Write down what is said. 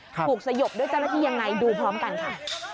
สยบด้วยเจ้าหน้าที่ยังไงดูพร้อมกันค่ะ